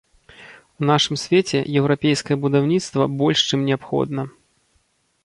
У нашым свеце еўрапейскае будаўніцтва больш чым неабходна.